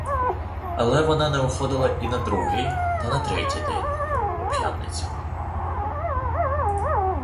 Але вона не виходила й на другий та на третій день — у п'ятницю.